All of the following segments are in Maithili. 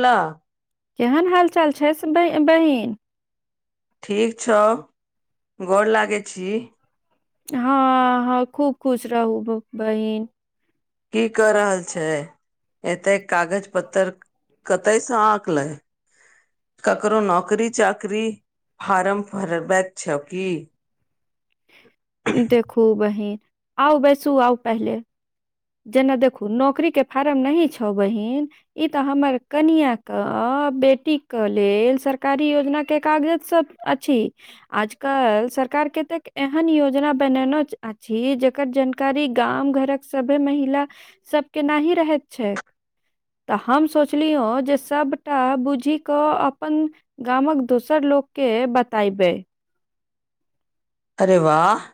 कल केहन हालचाल छैस सभ बहीन ठीक छौ, गोर लागै छी हँ, हँ खूब खुश रहू बहिन। कि कऽ रहल छै एते कागज पत्तर कतयसँ आँकलै करो नौकरी चाकरी फार्म फरबैक छौ कि देखू बहिन आउ बैसू आउ पहले। जेना देखू नौकरी के फारम नहि छौ बहीन ई तऽ हमर कनिआँ कऽ बेटी के लेलऽ सरकारी योजना के कागजसभ अछि आजकल सरकार के कतेक एहन योजना बननो अछि जकर जनकारी। जानकारी गाम घरक सभे महिला सभ केनाही रहैत छै तऽ हम सोचलिय जे सभटा बुझि कऽ अपन गामक दोसर लोककेँ बतायबै अरे वाह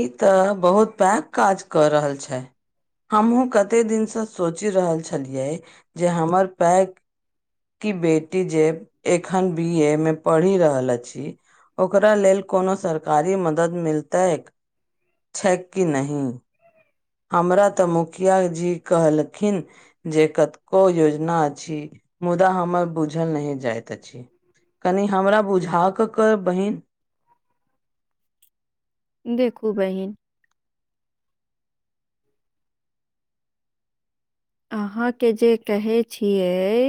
ई तऽ बहुत पैघ काज कऽ रहल छै हमहुँ कते दिनसँ सोचि रहल छलियै जे हमर पैर कि बेटी जे एखन बीए मे पढ़ी रहल अछि ओकरा लेलऽ कोनो सरकारी मदद मिलतै छै कि नहि हमरा तऽ मुखिया जी कहलखिन। जे कतको योजना अछि मुदा हमर। बुझल नहि जाइत अछि कनि हमरा बुझा कऽ कह बहिन देखू बहिन। अहाँकेँ जे कहै छियै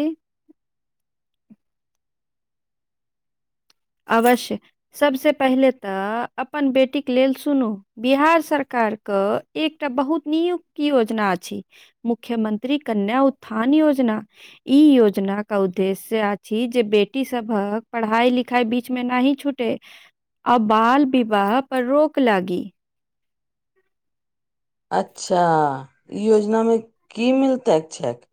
आवश्य सभसे पहिले तऽ अपन बेटी के लेल सुनू बिहार सरकार कऽ एकटा बहुत नियुक्त योजना छै मुख्यमंत्री कन्या उत्थान योजना। ई योजना के उद्देश्य अछि जे बेटी सभकेँ पढ़ाई लिखाई लिखाई बीचमे नहि छूटे आ बाल विवाह पर रोक लागी अच्छा ई योजना मे कि मिलतै इच्छक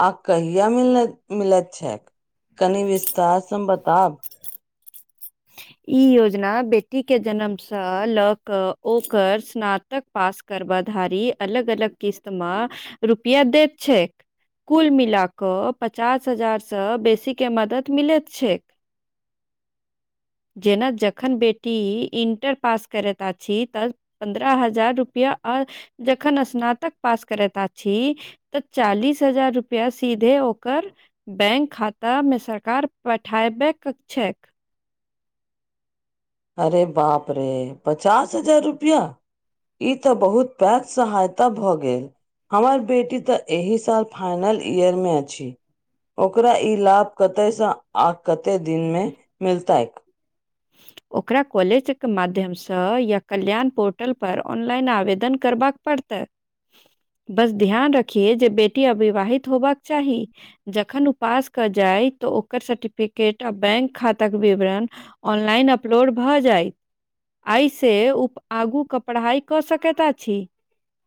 आ कहिया मिल मिलैत छै कनि विस्तार से हमरा बताब। ई योजना बेटीके जन्मसँ लऽ कऽ ओकर स्नातक पास करबा धारी अलग अलग किस्त म रुपआ देत छै। कुल मिला कऽ पचास हजारसँ बेसीके मदत मिलैत छै जेना जखन बेटी इण्टर पास करैत अछि त पन्द्रह हजार रुपआ आ जखन स्नातक पास करैत अथि तऽ चालीस हजार रुपया सीधे ओकर। बैंक खातामे सरकार पठैबयकऽ छै अरे बाप रे पचास हजार रुपया। ई तऽ बहुत पैघ सहायता भऽ गेल हमर बेटी तऽ एहि साल फाइनल ईयर मे अछि। ओकरा ई लाभ कते सँ आ कते दिनमे मिलतै ओ ओकरा कॉलेज के माध्यमसँ या कल्याण पोर्टल पर ऑनलाइन आवेदन करबाक पड़तै बस ध्यान रखिए जे बेटी अविवाहित होबाक चाही जखन उ पास कर जाइ तऽ ओकर सर्टिफिकेट आ बैंक खाताक विवरण ऑनलाइन अपलोड भऽ जाइत आइसे उ आगूके पढ़ाइ कऽ सकैत अछि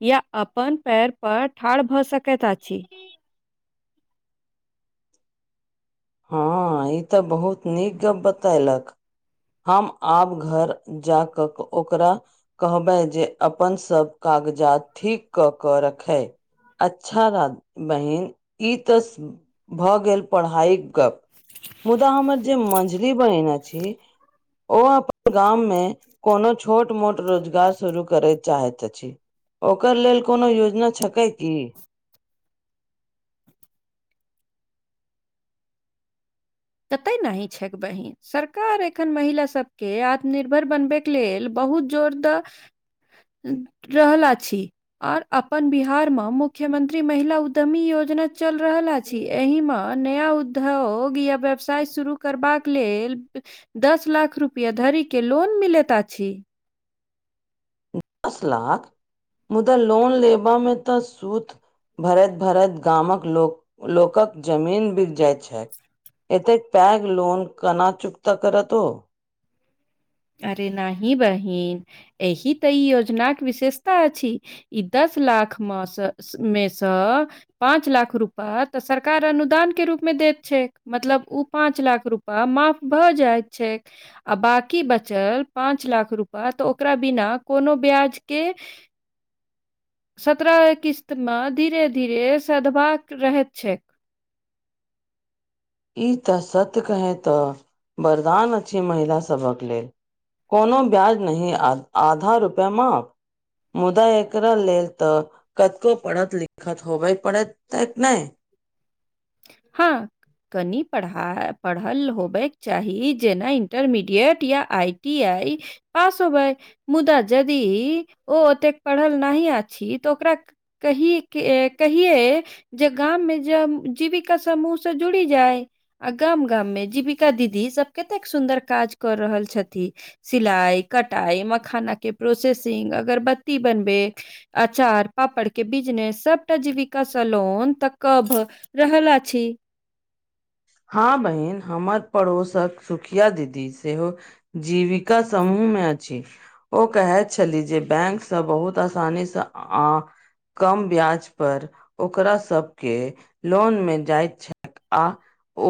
या अपन पैर पर ठाढ़ भऽ सकैत अछि हँ ई तऽ बहुत नीक गप्प बतैलक हम आब घर जा कऽ ओकरा कहबै जे अपन सभ कागजात ठीक कऽ कऽ रखै अच्छा बात बहिन ई तऽ भऽ गेल पढ़ाइ मुदा हमर जे मंझली बहिन अछि ओ अपन गाम मे कोनो छोट मोट रोजगार शुरू करय चाहैत अछि ओकर लेल कोनो योजना छकै की कते नाहि छैक बहिन सरकार एखन महिला सबके आत्मनिर्भर बनबैके लेल बहुत जोरद रहल अछि आउर अपन बिहारमे मुख्यमंत्री महिला उद्यमी योजना चलि रहल अछि एहि मे नया उद्योग या व्यव व्यवसाय शुरू करबाक लेल दस लाख रूपया धरी के लोन मिलैत अछि दस लाख मुदा लोन लेबा मे तऽ सुद भरैत भरैत गामक लोक लोकक जमीन बिक जाइत छै एतेक पैघ लोन कना चुक्ता करत ओ अरे नाहि बहिन एहि तऽ ई योजनाक विशेषता अछि ई दस लाख म स मे सँ पाँच लाख रुपया तऽ सरकार अनुदान के रूपमे दैत छै मतलब ओ पाच लाख रूपा माफ भऽ जाइत छैक आ बा की बचल पाँच लाख रूपा तऽ ओकरा बिना कोनो ब्याज के सत्रह किस्तमे धीरे धीरे सधबाक रहैत छैक ई तऽ सत्य कहे तऽ वरदान अछि महिला सबहक लेल कोनो ब्याज नहि आधा रुपया माफ मुदा एकरा लेल तऽ कते पढ़त लिखत होबै पढ़त तत नहि हँ कनि पढ़ा पढ़ल होबयके चाही जेना इन्टरमीडिएट या आइ टी आइ पास होबै मुदा यदि ओ ओतेक पढ़ल नहि अछि तऽ ओकरा कहि कहिये जे गाम मे जब जीविका समूह से जुड़ी जाइ आ गाम गाम मे जीविका दीदी सब केतेक सुन्दर काज कऽ रहल छथि। सिलाइ कटाइ मखाना के प्रोसेसिंग अगरबत्ती बनबैक अँचार पापड़ के बिजनेस सबटा जीविका स लोन तऽ कब रहल अछि। हँ बहिन हमर पड़ोसक सुखिया दीदी सेहो जीविका समूहमे अछि ओ कहैत छलीह जे बैंक सँ बहुत आसानी से आ कम ब्याज पर ओकरा सभके लॉन मऽ जाइत छै आ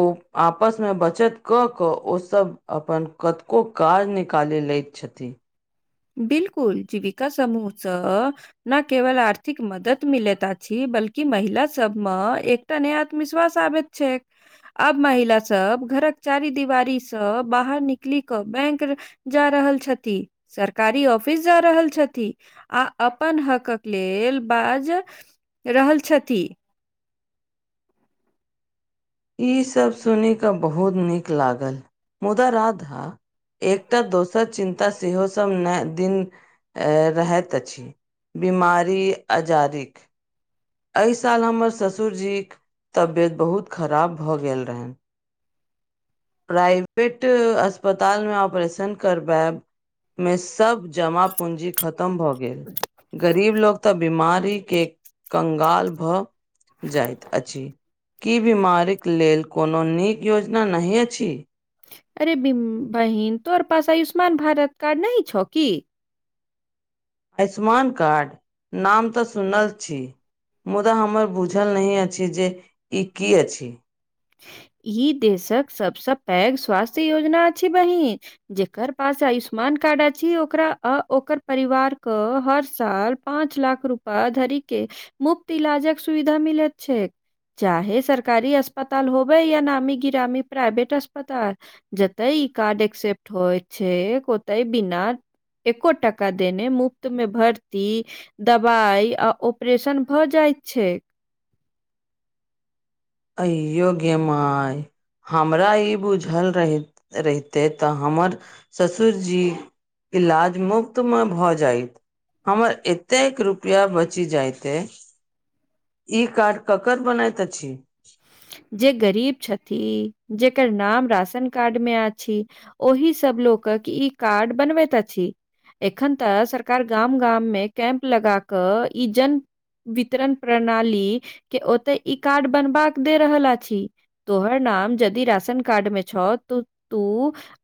ओ आपस मे बचत क क ओ सब अपन कतको काज निकाले ले छथि बिलकुल जीविका समूहसँ न केवल आर्थिक मदद मिलेत अछी बल्कि महिला सभमे एक तनि आत्मविस्वास आबे छै आब महिला सब घरक चारी दिवारीसँ बाहर निकलि क बैंक जा रहल छथि कारी ऑफिस जा रहल छथि आ अपन हकक लेल बाज रहल छथि ईसभ सुन कऽ बहुत नीक लागल मुदा रााधा एकतऽ दोसर चिन्ता सेहो सब नहि दिन रहैत अछि बीमारी अजादिक एहि साल हमर ससुर जीक के तबियत बहुत खराब भऽ गेल रहेन प्राइवेट अस्पतालमे ऑपरेशन करबैब मे सब जमा पूंजी खतम भऽ गेल गरीब लोक तऽ बीमारीके कंगाल भऽ जाइत अछि की बीमारीक लेल कोनो नीक योजना नहि अछि अरे बहिन तोहर पास आयुष्मान भारत कार्ड नहि छौ कि आयुष्मान कार्ड नाम तऽ सुनल छी मुद्दा हमर बुझल नहि अछि जे ई की अछि ई देशक सबसँ पैघ स्वास्थ्य योजना अछि बहिन जेकर पास आयुष्मान कार्ड अछि ओकरा आ ओकर परिवारके हर साल पाँच लाख रूपा धरिक मुफ्त इलाजक सुविधा मिलत छैय चाहे सरकारी अस्पताल होबै या नामी गामी प्राइवेट अस्पताल जते ई कार्ड एक्सेप्ट होइ छै ओत बिना एको टाका देने मुफ्त मऽ भर्ती दवाई आ ऑपरेशन भऽ जाइत छै अयो गेमाई हमरा ई बुझल रहि रहितै तऽ हमर ससुरजी इलाज मुफ्त मे भऽ जायत हमर एतेक रुपैया बचि जायतै ई कार्ड ककरा बनैत अछि जे गरीब छथिन जेकर नाम राशन कार्ड मे अछि ओहि सभ लोकक ई कार्ड बनबैत अछि एखन तऽ सरकार गाम गाम मे कैम्प लगा कऽ ई जन वितरण प्रणाली के ओतय ई कार्ड बनबाका दे रहल अछि तोहर नाम यदि राशन कार्ड मे छौ तऽ तू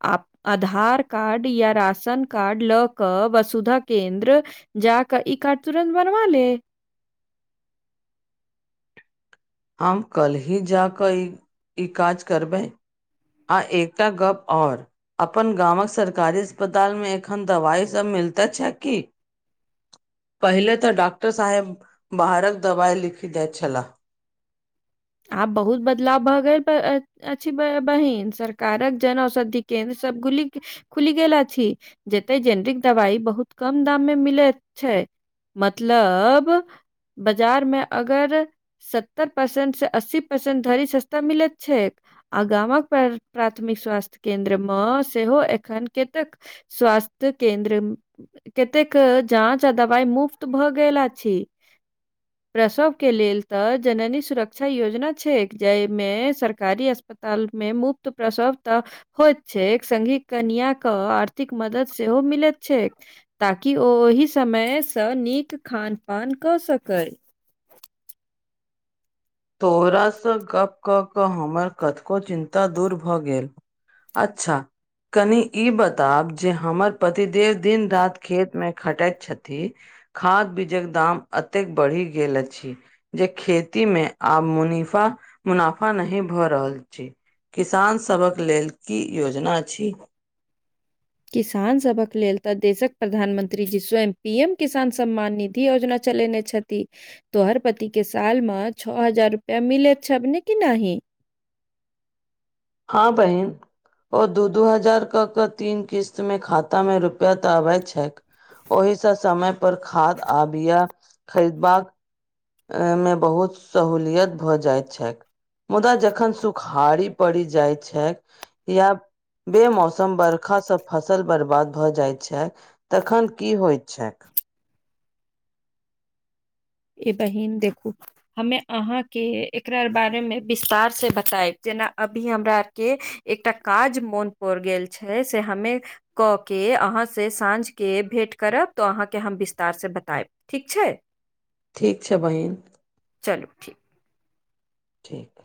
आ आधार कार्ड या राशन कार्ड लऽ कऽ वसुधा केन्द्र जा कऽ ई कार्ड तुरन्त बनवा ले हम कलही जा कऽ ई ई काज करबै आ एकटा गप आओर अपन गामक सरकारी अस्पतालमे एखन दवाइसभ मिलते छै की पहिले तऽ डॉक्टर साहेब बाहरक दवाइ लिखि दैत छलाह आब बहुत बदलाव भऽ अछि बहिन सरकारक जन औषधि केन्द्र सब खुलि गेल अछि जते जेनरिक दवाई बहुत कम दाम मे मिलैत छै मतलब बाजारमे अगर सत्तर परसेंट अस्सी परसेन्ट धरि सस्ता मिलैत छैक आ गामक प्राथमिक स्वास्थ्य केन्द्र मे सेहो एखन कतेक स्वास्थ्य केन्द्र कतेक जाँच आ दवाई मुफ्त भऽ गेल अछि प्रसव के लेल तऽ जननी प्रक्रिया योजना छै जाहिमे सरकारी अस्पतालमे मुफ्त प्रसव तऽ होइत छै संगी कनियाँके आर्थिक मदद सेहो मिलैत छै ताकि ओहि समयसँ नीक खान पान कऽ सकय तोहरासँ गप कऽ कऽ हमर कतको चिन्ता दूर भऽ गेल अच्छा कनि ई बताब जे हमर पति देव दिन राति खेतमे खटैत छथि। खाद्य बीजक दाम एतेक बढ़ि गेल अछि जे खेती मे आब मुनीफा मुनाफा नहि भऽ रहल छै किसान सभक लेल की योजना अछि किसान सभक लेल तऽ देशक प्रधानमंत्री जी स्वयं पी एम किसान सम्मान निधि योजना। चलेने छथि तोहर पतिके सालमे छह हजार रुपैया मिलैत छ ने कि नहि हँ बहिन ओ दू दू हजारके केऽ तीन किस्तमे खातामे रुपैया तऽ अबैत छैक ओहिसा समय पर खाद आ बिया खरीद एहि मे बहुत सहूलियत भऽ जाइत छैक मुदा जखन सुखाड़ी पड़ि जाइत छै या बेमौसम बर्खा से फसल बर्बाद भए जाय छै तखन की होइ छैक बाहीन देखू हमे अहाँके एकरा आर बारे मे विस्तार से बतायब जेना अभी हमरा आर के एकटा काज मोन पर गेल छै से हमे कऽ के अहाँसँ साँझके भेँट करब तऽ अहाँकेँ हम विस्तारसँ बतायब ठीक छै ठीक छै बहिन चलु ठीक ठीक